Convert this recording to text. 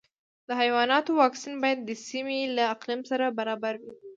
د حیواناتو واکسین باید د سیمې له اقلیم سره برابر وي.